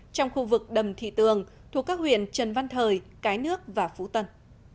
trong khu vực đầm thị tường thuộc các huyện trần văn thời cái nước và phú tân